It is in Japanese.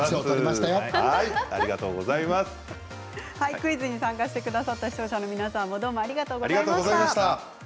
クイズに参加してくださった視聴者の皆様ありがとうございました。